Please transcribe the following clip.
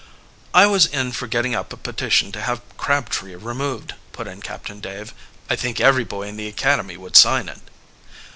"I was in for getting up a petition to have Crabtree removed," put in Captain Dave. "I think every boy in the academy would sign it."